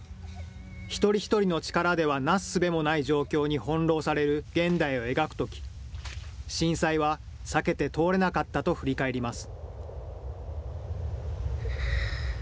一人一人の力ではなすすべもない状況に翻弄される現代を描くとき、震災は避けて通れなかったと振り返ります。